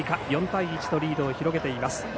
４対１とリードを広げています。